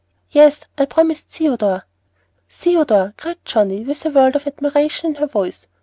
"Yes, I've promised Theodore " "Theodore!" cried Johnnie, with a world of admiration in her voice.